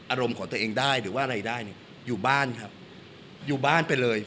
อารมณ์ของตัวเองได้หรือว่าอะไรได้เนี่ยอยู่บ้านครับอยู่บ้านไปเลย